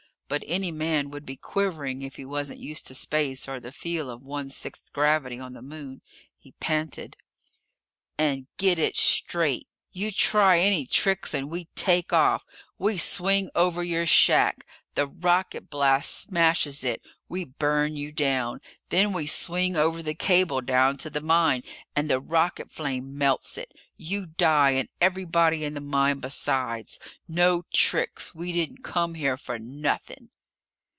But any man would be quivering if he wasn't used to space or the feel of one sixth gravity on the Moon. He panted: "And get it straight! You try any tricks and we take off! We swing over your shack! The rocket blast smashes it! We burn you down! Then we swing over the cable down to the mine and the rocket flame melts it! You die and everybody in the mine besides! No tricks! We didn't come here for nothing!"